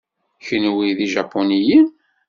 Kenwi d Ijapuniyen?